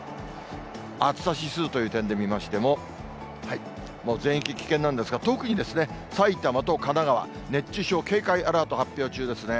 暑さ指数という点で見ましても、もう全域危険なんですが、特に、埼玉と神奈川、熱中症警戒アラート発表中ですね。